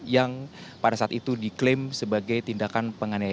yang pada saat itu diklaim sebagai tindakan penganiayaan